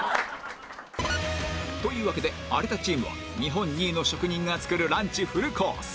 というわけで有田チームは日本２位の職人が作るランチフルコース